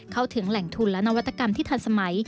เข้าถึงแหล่งทุนและนวัตกรรมที่ทันสมัย